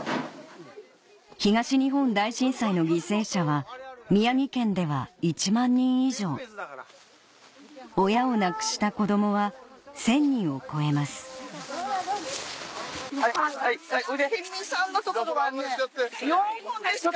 東日本大震災の犠牲者は宮城県では１万人以上親を亡くした子供は１０００人を超えます辺見さんのところはね４本ですか。